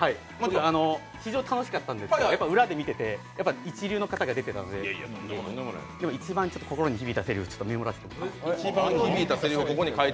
非常に楽しかったんですが裏で見ていて、一流の方が出てたんで、今日一番心に響いたせりふをちょっとメモらせてもらいました。